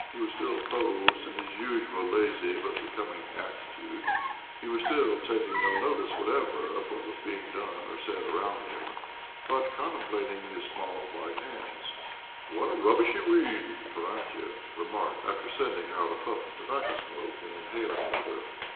He was still posed in his usual lazy but becoming attitude— he was still taking no notice what ever of what was being done or said around him, but contemplating his smiall white hands. " What a rubbishy weed !" Tarantiev remarked, after sending out a puff of tobacco smoke and inhaling another.